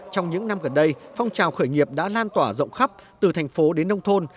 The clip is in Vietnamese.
trong những năm gần đây phong trào khởi nghiệp đã lan tỏa rộng khắp từ thành phố đến nông thôn